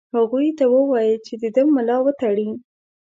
هغوی ته ووايی چې د ده ملا وتړي.